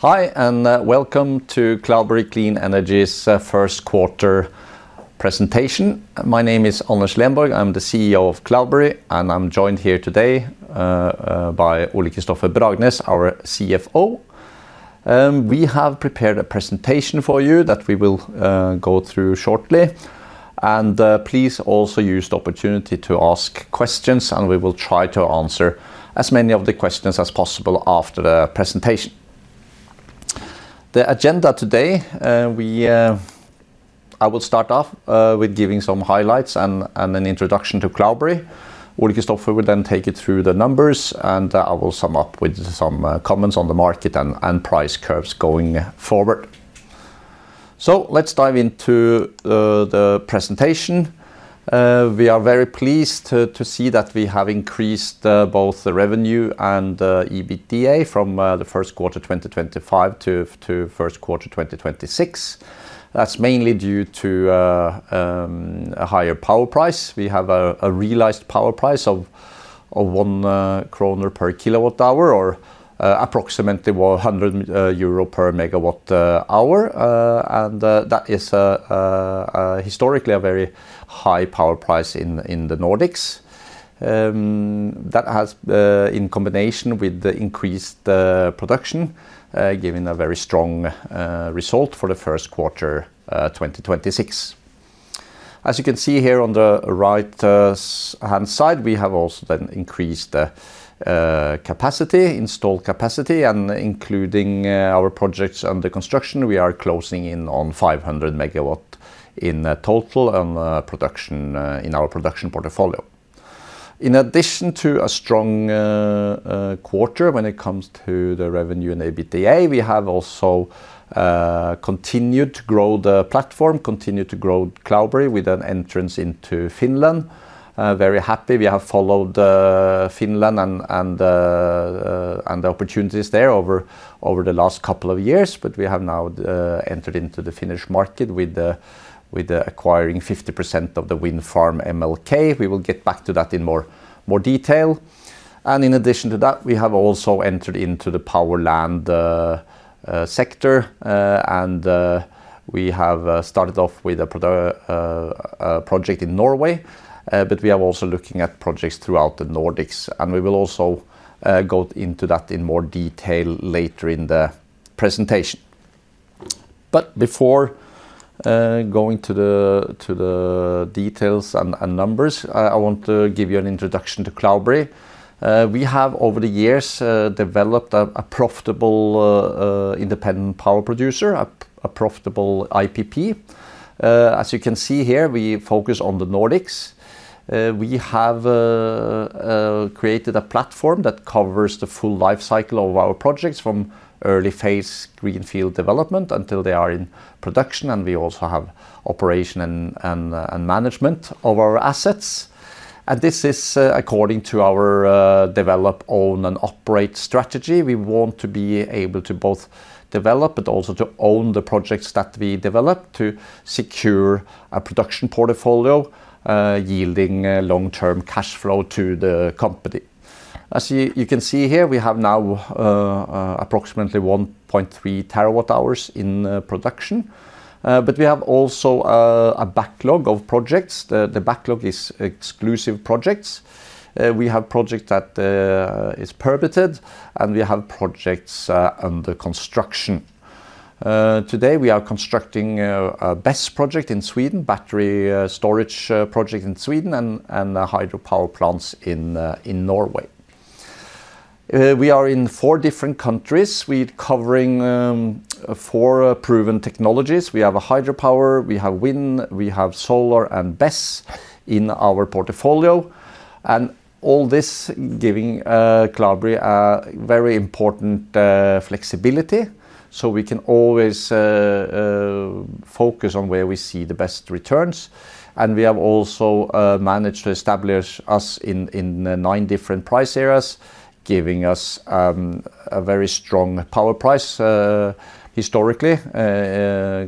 Hi, welcome to Cloudberry Clean Energy's first quarter presentation. My name is Anders Lenborg. I'm the CEO of Cloudberry, I'm joined here today by Ole-Kristofer Bragnes, our CFO. We have prepared a presentation for you that we will go through shortly. Please also use the opportunity to ask questions, we will try to answer as many of the questions as possible after the presentation. The agenda today, we I will start off with giving some highlights and an introduction to Cloudberry. Ole-Kristofer will then take you through the numbers, I will sum up with some comments on the market and price curves going forward. Let's dive into the presentation. We are very pleased to see that we have increased both the revenue and the EBITDA from the first quarter 2025 to first quarter 2026. That's mainly due to a higher power price. We have a realized power price of 1 kroner per kilowatt-hour or approximately 100 euro per megawatt-hour. That is historically a very high power price in the Nordics. That has in combination with the increased production given a very strong result for the first quarter 2026. As you can see here on the right-hand side, we have also then increased the capacity, installed capacity, and including our projects under construction, we are closing in on 500 MW in total and production in our production portfolio. In addition to a strong quarter when it comes to the revenue and EBITDA, we have also continued to grow the platform, continued to grow Cloudberry with an entrance into Finland. Very happy. We have followed Finland and the opportunities there over the last couple of years. We have now entered into the Finnish market with acquiring 50% of the wind farm MLK. We will get back to that in more detail. In addition to that, we have also entered into the power and land sector. We have started off with a project in Norway. We are also looking at projects throughout the Nordics, and we will also go into that in more detail later in the presentation. Before going to the details and numbers, I want to give you an introduction to Cloudberry. We have over the years developed a profitable independent power producer, a profitable IPP. As you can see here, we focus on the Nordics. We have created a platform that covers the full life cycle of our projects from early phase greenfield development until they are in production, and we also have operation and management of our assets. This is according to our develop, own, and operate strategy. We want to be able to both develop but also to own the projects that we develop to secure a production portfolio, yielding a long-term cash flow to the company. As you can see here, we have now approximately 1.3 TWh in production. We have also a backlog of projects. The backlog is exclusive projects. We have project that is permitted, and we have projects under construction. Today we are constructing a BESS project in Sweden, battery storage project in Sweden and hydropower plants in Norway. We are in four different countries. We're covering four proven technologies. We have hydropower, we have wind, we have solar, and BESS in our portfolio. All this giving Cloudberry a very important flexibility, so we can always focus on where we see the best returns. We have also managed to establish us in nine different price areas, giving us a very strong power price historically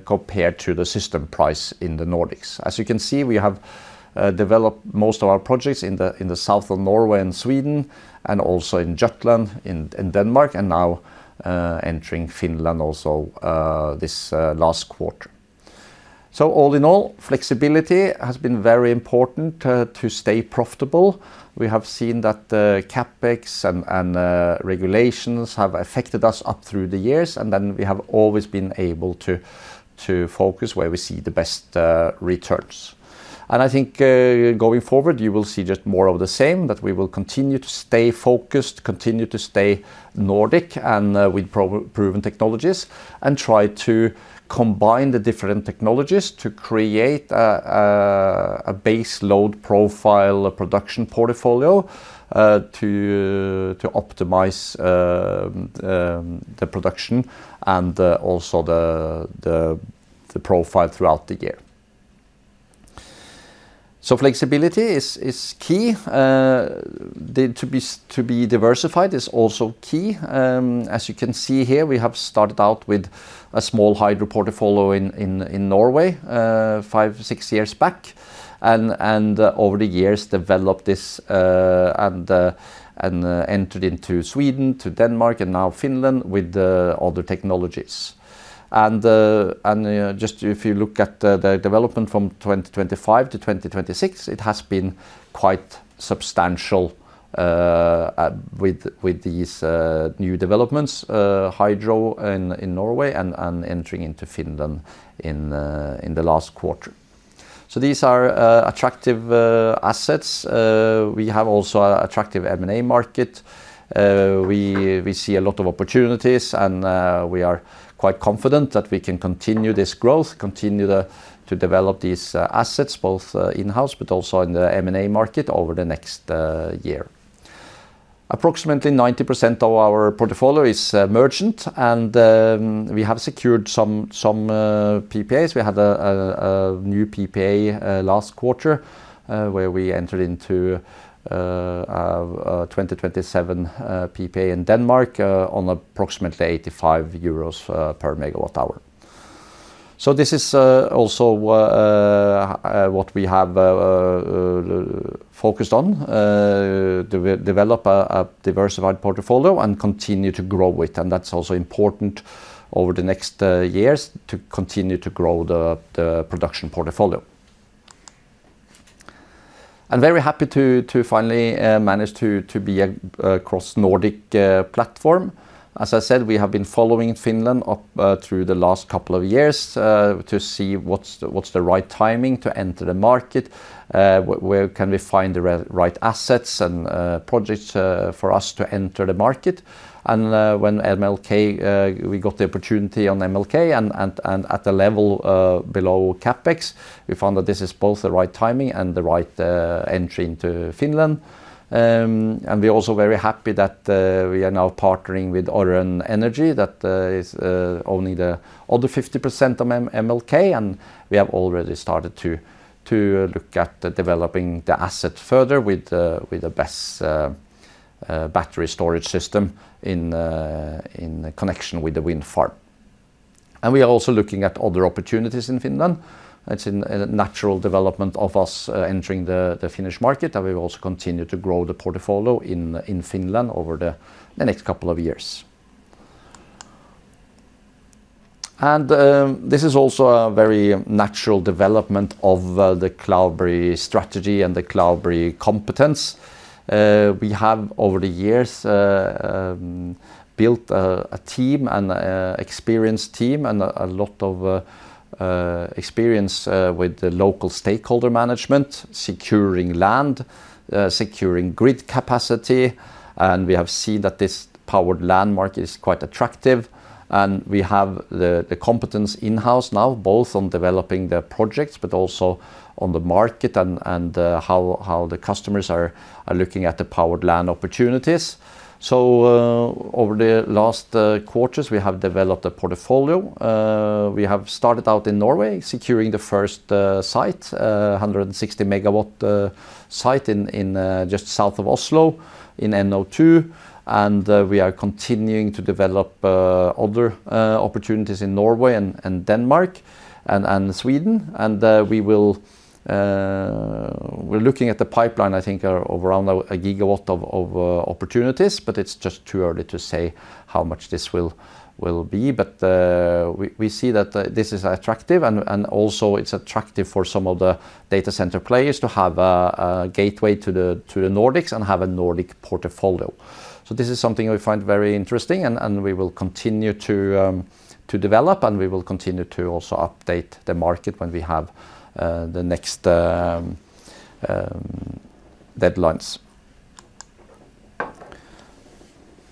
compared to the system price in the Nordics. As you can see, we have developed most of our projects in the south of Norway and Sweden and also in Jutland in Denmark and now entering Finland also this last quarter. All in all, flexibility has been very important to stay profitable. We have seen that CapEx and regulations have affected us up through the years. We have always been able to focus where we see the best returns. I think, going forward, you will see just more of the same, that we will continue to stay focused, continue to stay Nordic and, with proven technologies and try to combine the different technologies to create a base load profile production portfolio, to optimize the production and also the profile throughout the year. Flexibility is key. To be diversified is also key. As you can see here, we have started out with a small hydro portfolio in Norway, five, six years back, and over the years developed this, entered into Sweden, to Denmark, and now Finland with the other technologies. Just if you look at the development from 2025 to 2026, it has been quite substantial with these new developments, hydro in Norway and entering into Finland in the last quarter. These are attractive assets. We have also a attractive M&A market. We see a lot of opportunities, and we are quite confident that we can continue this growth, continue to develop these assets both in-house but also in the M&A market over the next year. Approximately 90% of our portfolio is merchant, and we have secured some PPAs. We had a new PPA last quarter, where we entered into a 2027 PPA in Denmark on approximately 85 euros per megawatt hour. This is also what we have focused on. Develop a diversified portfolio and continue to grow it, and that's also important over the next years to continue to grow the production portfolio. Very happy to finally manage to be a cross-Nordic platform. As I said, we have been following Finland up through the last couple of years to see what's the right timing to enter the market, where can we find the right assets and projects for us to enter the market. When MLK, we got the opportunity on MLK and at a level below CapEx, we found that this is both the right timing and the right entry into Finland. We're also very happy that we are now partnering with Orrön Energy that is owning the other 50% of MLK, and we have already started to look at developing the asset further with the BESS battery storage system in connection with the wind farm. We are also looking at other opportunities in Finland. It's in a natural development of us entering the Finnish market, and we've also continued to grow the portfolio in Finland over the next couple of years. This is also a very natural development of the Cloudberry strategy and the Cloudberry competence. We have over the years built a team and a experienced team and a lot of experience with the local stakeholder management, securing land, securing grid capacity, and we have seen that this power and land market is quite attractive. We have the competence in-house now both on developing the projects but also on the market and how the customers are looking at the power and land opportunities. Over the last quarters, we have developed a portfolio. We have started out in Norway, securing the first site, 160 MW site in just south of Oslo in NO2. We are continuing to develop other opportunities in Norway and Denmark and Sweden. We're looking at the pipeline, I think around a gigawatt of opportunities, but it's just too early to say how much this will be. We see that this is attractive, and also it's attractive for some of the data center players to have a gateway to the Nordics and have a Nordic portfolio. This is something we find very interesting, and we will continue to develop, and we will continue to also update the market when we have the next deadlines.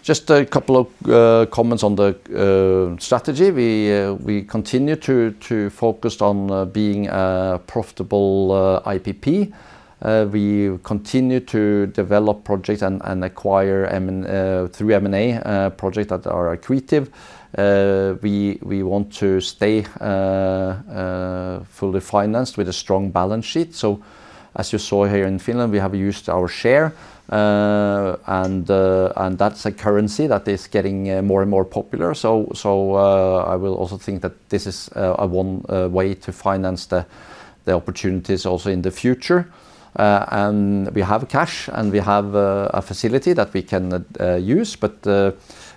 Just a couple of comments on the strategy. We continue to focus on being a profitable IPP. We continue to develop projects and acquire through M&A projects that are accretive. We want to stay fully financed with a strong balance sheet. As you saw here in Finland, we have used our share, and that's a currency that is getting more and more popular. I will also think that this is one way to finance the opportunities also in the future. We have cash, and we have a facility that we can use, but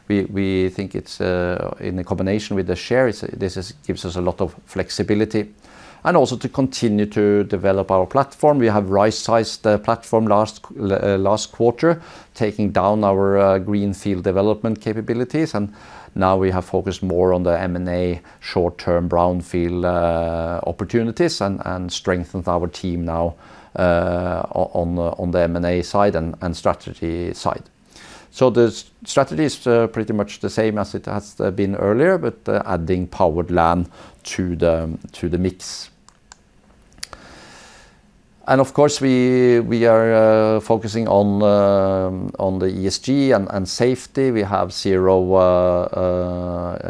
we think in the combination with the share, this gives us a lot of flexibility. Also to continue to develop our platform. We have rightsized the platform last quarter, taking down our greenfield development capabilities, and now we have focused more on the M&A short-term brownfield opportunities and strengthened our team now on the M&A side and strategy side. The strategy is pretty much the same as it has been earlier but adding power and land to the mix. Of course, we are focusing on the ESG and safety. We have zero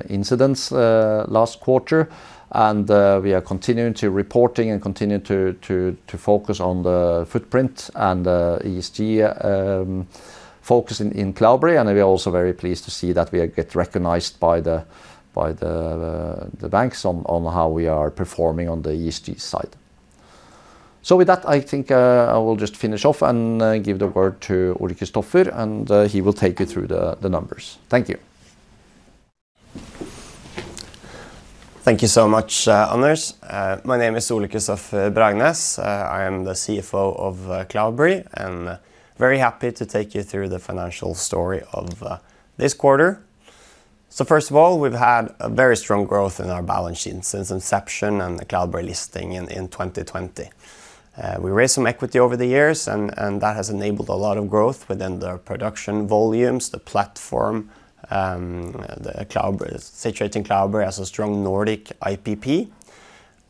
incidents last quarter, and we are continuing to reporting and continue to focus on the footprint and ESG focus in Cloudberry. We're also very pleased to see that we get recognized by the banks on how we are performing on the ESG side. With that, I think I will just finish off and give the word to Ole-Kristofer, and he will take you through the numbers. Thank you. Thank you so much, Anders. My name is Ole-Kristofer Bragnes. I am the CFO of Cloudberry, and very happy to take you through the financial story of this quarter. We've had a very strong growth in our balance sheet since inception and the Cloudberry listing in 2020. We raised some equity over the years and that has enabled a lot of growth within the production volumes, the platform, the Cloudberry situating Cloudberry as a strong Nordic IPP.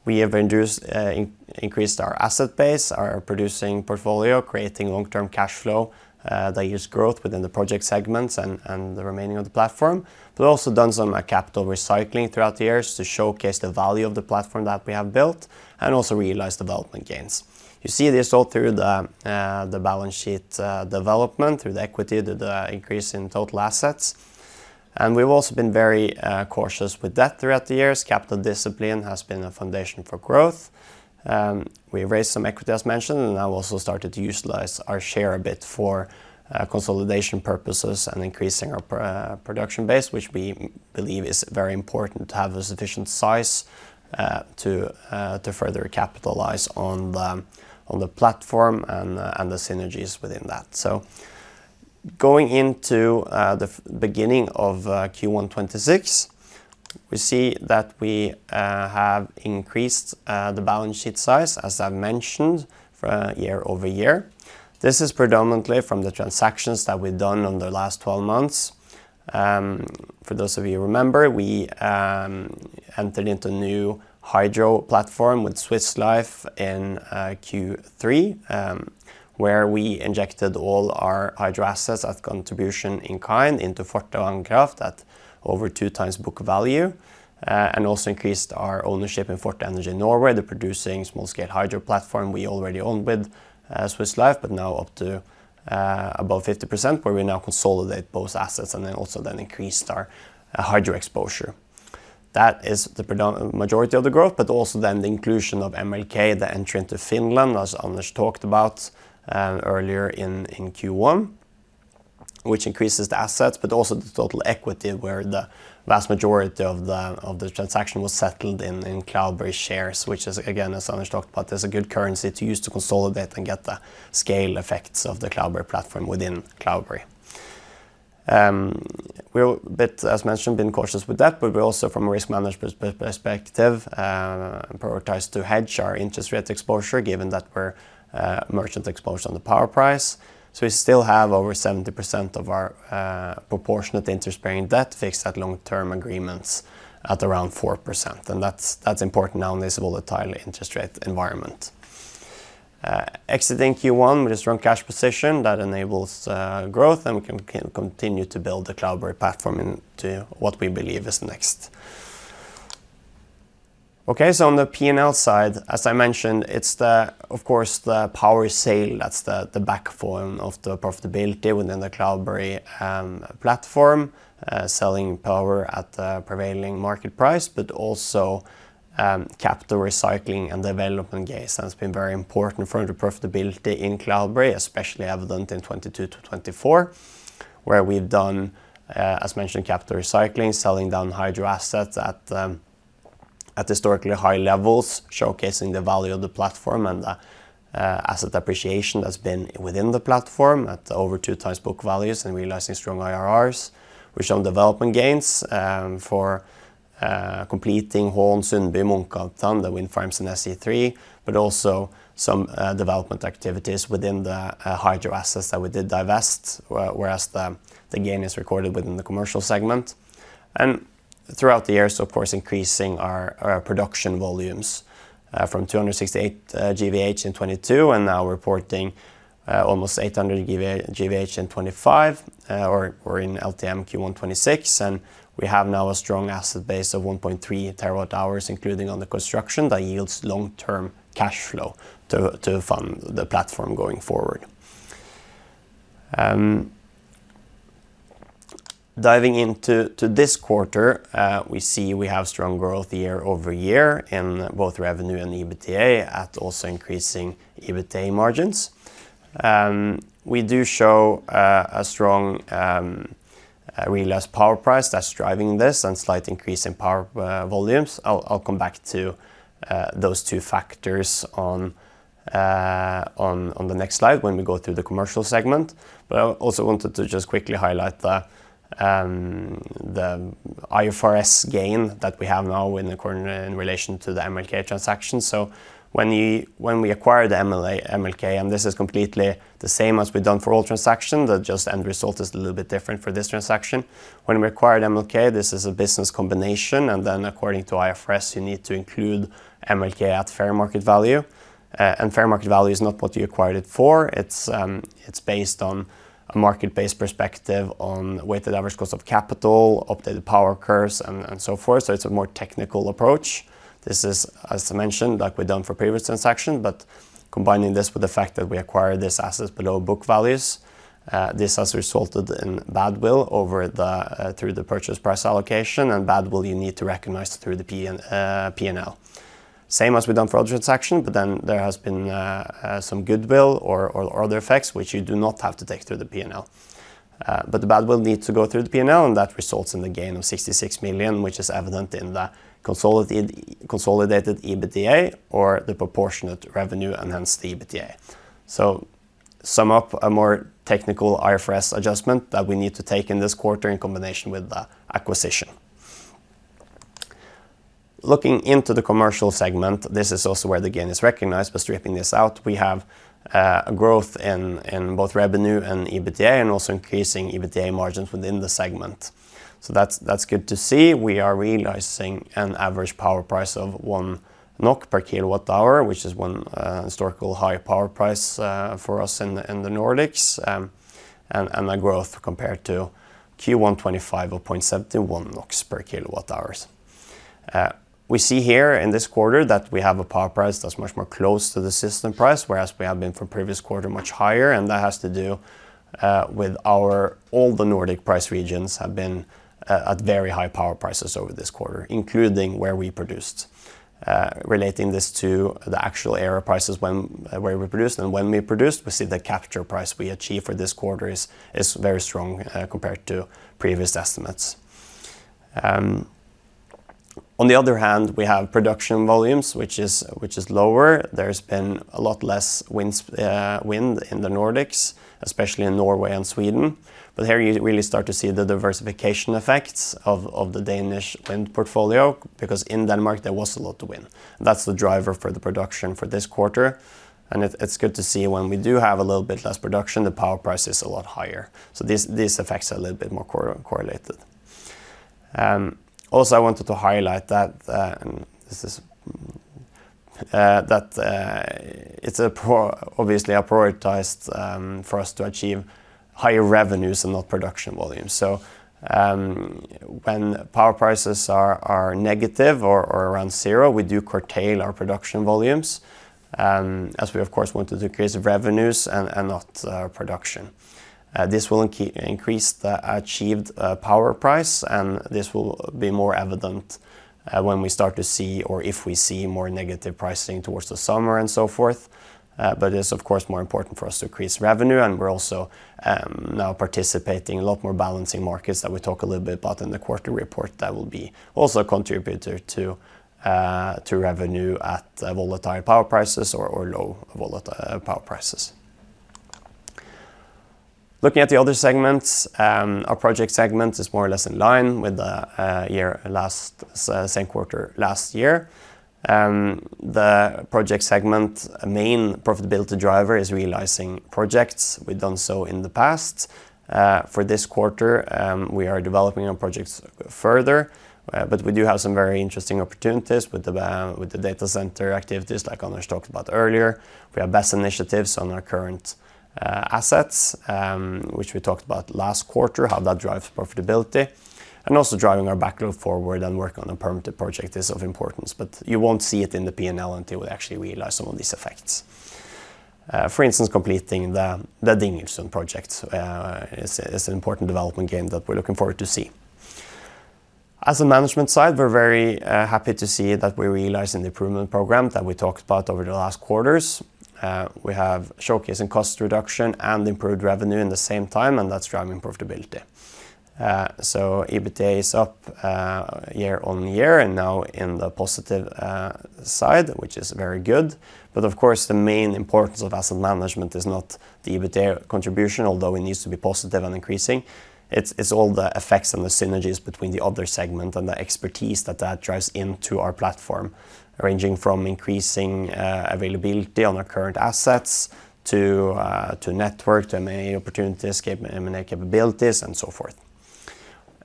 We have increased our asset base, our producing portfolio, creating long-term cash flow that yields growth within the project segments and the remaining of the platform. We've also done some capital recycling throughout the years to showcase the value of the platform that we have built and also realize development gains. You see this all through the balance sheet development, through the equity, the increase in total assets. We've also been very cautious with debt throughout the years. Capital discipline has been a foundation for growth. We raised some equity, as mentioned, and now also started to utilize our share a bit for consolidation purposes and increasing our production base, which we believe is very important to have a sufficient size to further capitalize on the platform and the synergies within that. Going into the beginning of Q1 2026, we see that we have increased the balance sheet size, as I've mentioned, for year-over-year. This is predominantly from the transactions that we've done on the last 12 months. for those of you who remember, we entered into new hydro platform with Swiss Life in Q3, where we injected all our hydro assets as contribution in kind into Forte Vannkraft at over 2x book value, and also increased our ownership in Forte Energy Norway, the producing small-scale hydro platform we already own with Swiss Life, but now up to above 50%, where we now consolidate both assets and then also then increased our hydro exposure. That is the majority of the growth. Also, the inclusion of MLK, the entry into Finland, as Anders talked about earlier in Q1, which increases the assets but also the total equity where the vast majority of the transaction was settled in Cloudberry shares, which is again, as Anders talked about, is a good currency to use to consolidate and get the scale effects of the Cloudberry platform within Cloudberry. We're a bit, as mentioned, been cautious with that. We're also from a risk management perspective prioritized to hedge our interest rate exposure given that we're merchant exposed on the power price. We still have over 70% of our proportionate interest-bearing debt fixed at long-term agreements at around 4%. That's important now in this volatile interest rate environment. Exiting Q1 with a strong cash position that enables growth and we can continue to build the Cloudberry platform into what we believe is next. On the P&L side, as I mentioned, it's the, of course, the power sale that's the backbone of the profitability within the Cloudberry platform, selling power at the prevailing market price, but also capital recycling and development gains has been very important for the profitability in Cloudberry, especially evident in 2022 to 2024, where we've done, as mentioned, capital recycling, selling down hydro assets at historically high levels, showcasing the value of the platform and asset appreciation that's been within the platform at over 2x book values and realizing strong IRRs. We've shown development gains for completing Hån, Sundby, Munkhyttan wind farms in SE3, also some development activities within the hydro assets that we did divest, whereas the gain is recorded within the Commercial segment. Throughout the years, of course, increasing our production volumes from 268 GWh in 2022 and now reporting almost 800 GWh in 2025, or we're in LTM Q1 2026. We have now a strong asset base of 1.3 TWh, including under construction, that yields long-term cash flow to fund the platform going forward. Diving into this quarter, we see we have strong growth year-over-year in both revenue and the EBITDA at also increasing EBITDA margins. We do show a strong realized power price that's driving this and slight increase in power volumes. I'll come back to those two factors on the next slide when we go through the Commercial segment. I also wanted to just quickly highlight the IFRS gain that we have now in relation to the MLK transaction. When we acquired MLK, and this is completely the same as we've done for all transactions, the just end result is a little bit different for this transaction. When we acquired MLK, this is a business combination, according to IFRS, you need to include MLK at fair market value. Fair market value is not what you acquired it for. It's based on a market-based perspective on weighted average cost of capital, updated power curves, and so forth. It's a more technical approach. This is, as I mentioned, like we've done for previous transaction, but combining this with the fact that we acquired these assets below book values, this has resulted in badwill over the through the purchase price allocation and badwill you need to recognize through the P&L. Same as we've done for all transaction, there has been some goodwill or other effects which you do not have to take through the P&L. The badwill need to go through the P&L and that results in the gain of 66 million, which is evident in the consolidated EBITDA or the proportionate revenue and hence the EBITDA. To sum up, a more technical IFRS adjustment that we need to take in this quarter in combination with the acquisition. Looking into the Commercial segment, this is also where the gain is recognized, but stripping this out, we have a growth in both revenue and EBITDA and also increasing EBITDA margins within the segment. That's good to see. We are realizing an average power price of 1 NOK per kilowatt-hour, which is a historical high power price for us in the Nordics, and a growth compared to Q1 2025 of 0.71 NOK per kilowatt-hour. We see here in this quarter that we have a power price that's much more close to the system price, whereas we have been for previous quarter much higher, that has to do with all the Nordic price regions have been at very high power prices over this quarter, including where we produced. Relating this to the actual area prices when, where we produced. When we produced, we see the capture price we achieve for this quarter is very strong compared to previous estimates. On the other hand, we have production volumes, which is lower. There's been a lot less wind in the Nordics, especially in Norway and Sweden. Here you really start to see the diversification effects of the Danish wind portfolio, because in Denmark, there was a lot of wind. That's the driver for the production for this quarter. It's good to see when we do have a little bit less production, the power price is a lot higher. These effects are a little bit more correlated. Also, I wanted to highlight that this is that it's obviously a prioritized for us to achieve higher revenues and not production volumes. When power prices are negative or around zero, we do curtail our production volumes, as we of course want to increase revenues and not production. This will increase the achieved power price, this will be more evident when we start to see or if we see more negative pricing towards the summer and so forth. It's of course more important for us to increase revenue, and we're also now participating a lot more balancing markets that we talk a little bit about in the quarterly report that will be also a contributor to revenue at volatile power prices or low power prices. Looking at the other segments, our Project segment is more or less in line with the year last, same quarter last year. The Project segment main profitability driver is realizing projects. We've done so in the past. For this quarter, we are developing our projects further, but we do have some very interesting opportunities with the data center activities like Anders talked about earlier. We have BESS initiatives on our current assets, which we talked about last quarter, how that drives profitability, and also driving our backlog forward and work on a permitted project is of importance. You won't see it in the P&L until we actually realize some of these effects. For instance, completing the Dingelsundet project is an important development gain that we're looking forward to see. As a management side, we're very happy to see that we're realizing the improvement program that we talked about over the last quarters. We have showcase in cost reduction and improved revenue in the same time, that's driving profitability. EBITDA is up year-on-year and now in the positive side, which is very good. Of course, the main importance of asset management is not the EBITDA contribution, although it needs to be positive and increasing. It's all the effects and the synergies between the other segment and the expertise that that drives into our platform, ranging from increasing availability on our current assets to network, to M&A opportunities, M&A capabilities and so forth.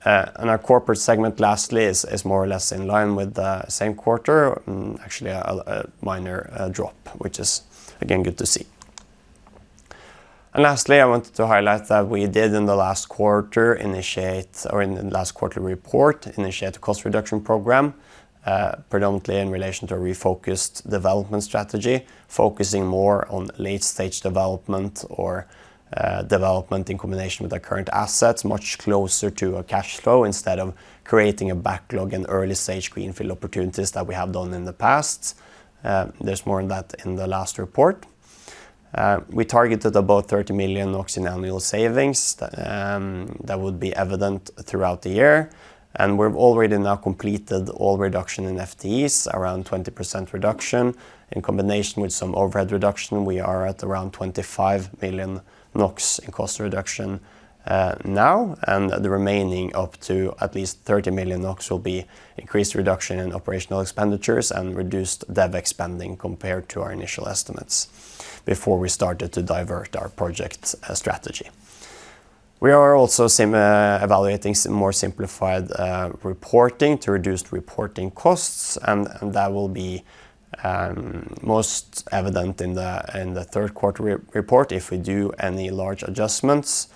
Our Corporate segment, lastly, is more or less in line with the same quarter, actually a minor drop, which is again good to see. Lastly, I wanted to highlight that we did in the last quarter initiate or in the last quarterly report, initiate a cost reduction program, predominantly in relation to a refocused development strategy, focusing more on late-stage development or development in combination with our current assets much closer to a cash flow instead of creating a backlog in early-stage greenfield opportunities that we have done in the past. There's more on that in the last report. We targeted about 30 million in annual savings, that would be evident throughout the year. We've already now completed all reduction in FTEs, around 20% reduction. In combination with some overhead reduction, we are at around 25 million NOK in cost reduction, now. The remaining up to at least 30 million NOK will be increased reduction in operational expenditures and reduced dev expanding compared to our initial estimates before we started to divert our project strategy. We are also evaluating some more simplified reporting to reduce reporting costs, and that will be most evident in the third quarter report if we do any large adjustments,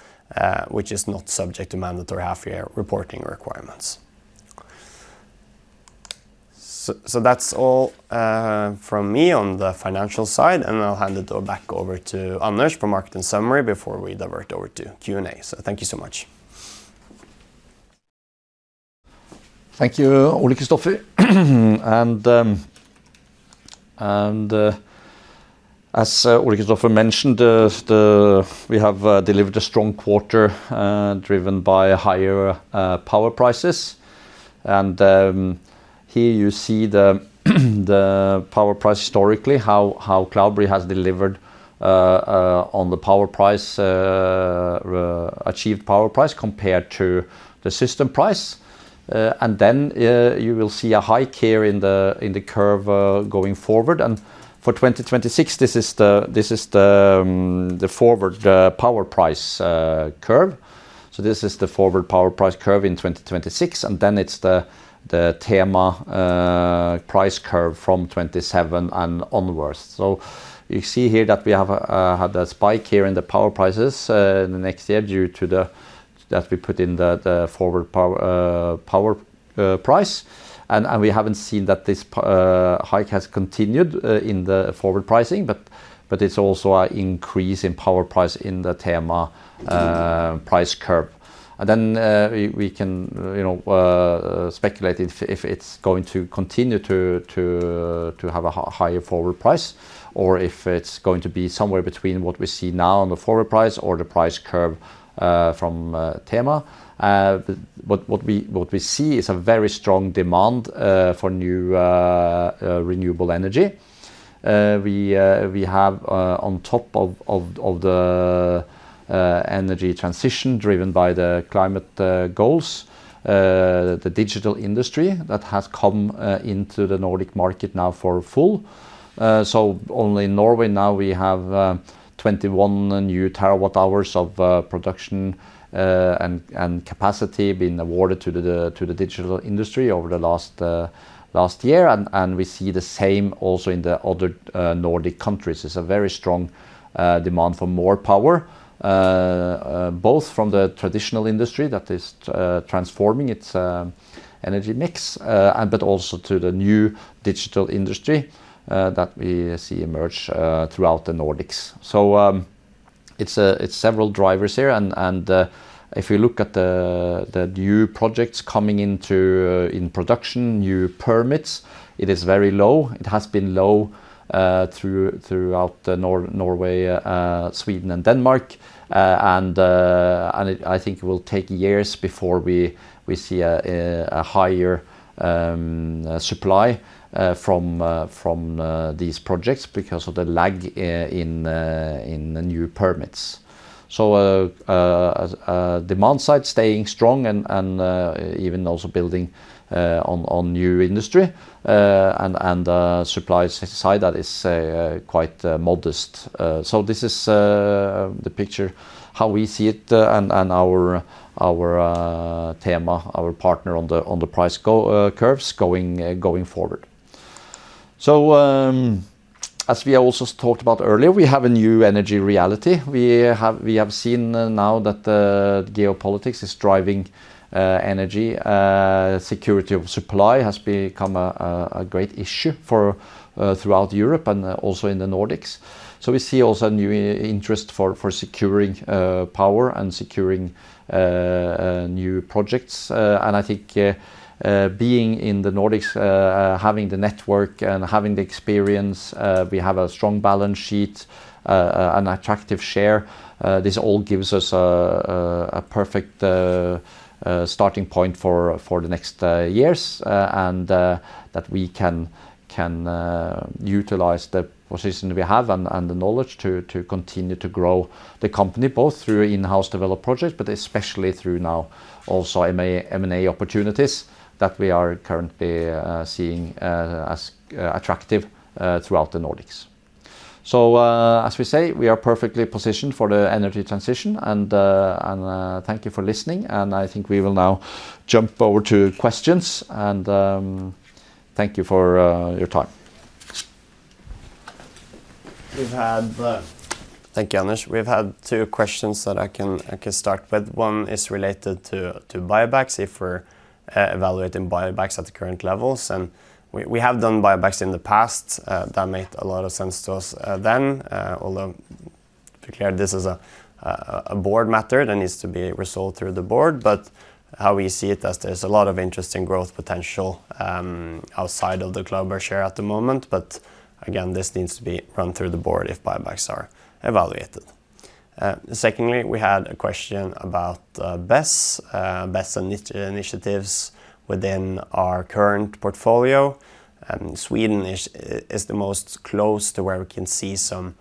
which is not subject to mandatory half-year reporting requirements. That's all from me on the financial side, and I'll hand it back over to Anders for marketing summary before we divert over to Q&A. Thank you so much. Thank you, Ole-Kristofer. As Ole-Kristofer mentioned, we have delivered a strong quarter, driven by higher power prices. Here you see the power price historically, how Cloudberry has delivered on the power price, achieved power price compared to the system price. You will see a hike here in the curve going forward. For 2026, this is the forward power price curve. This is the forward power price curve in 2026, and then it's the THEMA price curve from 2027 and onwards. You see here that we have had a spike here in the power prices in the next year due to the that we put in the forward power price. We haven't seen that this hike has continued in the forward pricing, but it's also an increase in power price in the THEMA. price curve. We can, you know, speculate if it's going to continue to have a higher forward price, or if it's going to be somewhere between what we see now in the forward price or the price curve from THEMA. What we see is a very strong demand for new renewable energy. We have on top of the energy transition driven by the climate goals, the digital industry that has come into the Nordic market now for full. Only in Norway now we have 21 TWh new of production and capacity being awarded to the digital industry over the last year. We see the same also in the other Nordic countries. There's a very strong demand for more power, both from the traditional industry that is transforming its energy mix, but also to the new digital industry that we see emerge throughout the Nordics. It's several drivers here. If you look at the new projects coming in production, new permits, it is very low. It has been low throughout Norway, Sweden and Denmark. I think it will take years before we see a higher supply from these projects because of the lag in the new permits. Demand side staying strong and even also building on new industry. And supply side that is quite modest. This is the picture how we see it and our THEMA, our partner on the price curves going forward. As we also talked about earlier, we have a new energy reality. We have seen now that the geopolitics is driving energy. Security of supply has become a great issue throughout Europe and also in the Nordics. We see also new interest for securing power and securing new projects. I think, being in the Nordics, having the network and having the experience, we have a strong balance sheet, an attractive share. This all gives us a perfect starting point for the next years. That we can utilize the position we have and the knowledge to continue to grow the company, both through in-house developed projects, but especially through now also M&A opportunities that we are currently seeing as attractive throughout the Nordics. As we say, we are perfectly positioned for the energy transition. Thank you for listening, and I think we will now jump over to questions. Thank you for your time. Thank you, Anders. We've had two questions that I can start with. One is related to buybacks, if we're evaluating buybacks at the current levels. We have done buybacks in the past that made a lot of sense to us then, although to be clear, this is a board matter that needs to be resolved through the board. How we see it, that there's a lot of interest in growth potential outside of the Cloudberry share at the moment. Again, this needs to be run through the board if buybacks are evaluated. Secondly, we had a question about BESS initiatives within our current portfolio. Sweden is the most close to where we can see some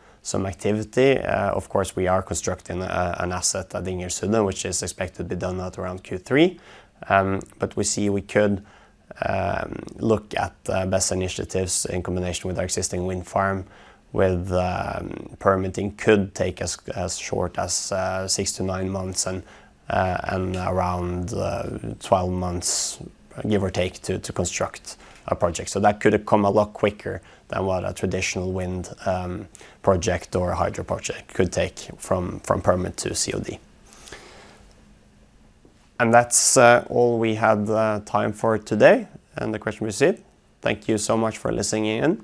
activity. Of course, we are constructing an asset at Dingelsundet, which is expected to be done at around Q3. We see we could look at BESS initiatives in combination with our existing wind farm, with permitting could take as short as 6-9 months and around 12 months, give or take, to construct a project. That could have come a lot quicker than what a traditional wind project or a hydro project could take from permit to COD. That's all we have time for today and the question we received. Thank you so much for listening in.